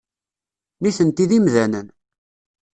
Nitenti d imdanen.